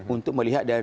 untuk melihat dari